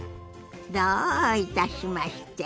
どういたしまして。